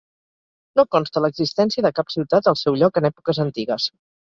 No consta l'existència de cap ciutat al seu lloc en èpoques antigues.